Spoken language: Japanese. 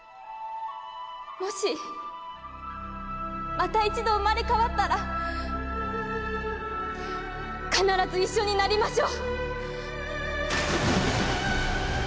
もしまた一度生まれ変わったら必ず一緒になりましょう。